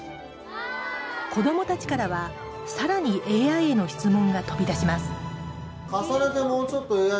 子どもたちからは、さらにＡＩへの質問が飛び出しますはい！